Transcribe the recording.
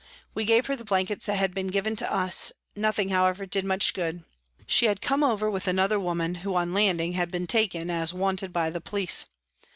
We gave her the blankets that had been given to us ; nothing, however, did much good. She had come over with another woman, who on landing had been taken as " wanted by the police."